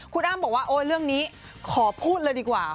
คุณอ้ำบอกว่าโอ๊ยเรื่องนี้ขอพูดเลยดีกว่า